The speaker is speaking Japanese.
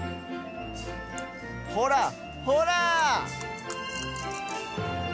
ほらほら！